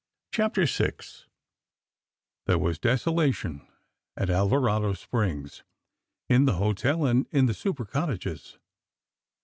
CHAPTER VI THERE was desolation at Alvarado Springs, in the hotel, and in the super cottages.